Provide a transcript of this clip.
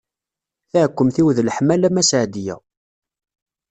Taɛekkemt-iw d leḥmala-m a Seɛdiya.